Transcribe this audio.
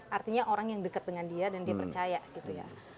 artinya orang yang dekat dengan dia dan dia percaya gitu ya